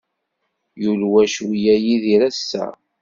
Yulwa cwiya Yidir ass-a.